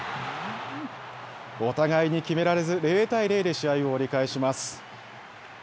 お互いに決められず０対０で試合を折り返します。